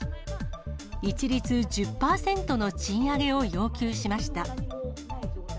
一律１０％の賃上げを要求しました。